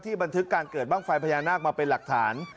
บันทึกการเกิดบ้างไฟพญานาคมาเป็นหลักฐาน